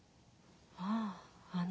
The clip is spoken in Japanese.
あああの。